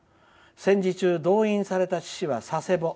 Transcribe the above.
戦時中、動員された父は佐世保。